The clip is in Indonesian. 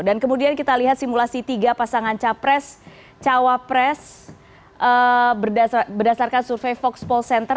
dan kemudian kita lihat simulasi tiga pasangan capres capres berdasarkan survei fox poll center